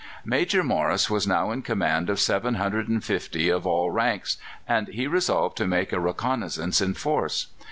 Major Morris was now in command of 750 of all ranks, and he resolved to make a reconnaissance in force.